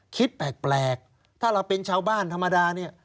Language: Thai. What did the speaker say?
คิดแปลกถ้าเราเป็นชาวบ้านธรรมดาเนี่ย